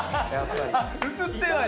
映ってない？